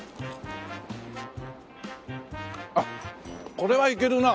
あっこれはいけるな！